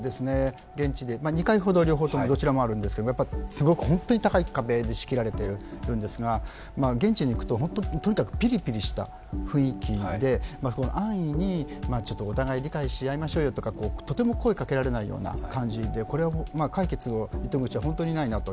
２回ほど両方ともどちらもあるんですけどすごく本当に高い壁で仕切られているんですが現地に行くと、とにかくピリピリした雰囲気で安易にお互い理解し合いましょうよとかとても声をかけられないような感じで解決の糸口は本当にないなと。